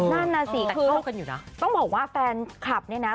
นั่นน่ะสิต้องบอกว่าแฟนคลับเนี่ยนะ